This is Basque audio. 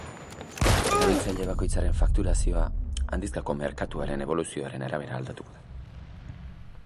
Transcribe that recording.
Erabiltzaile bakoitzaren fakturazioa handizkako merkatuaren eboluzioaren arabera aldatuko da.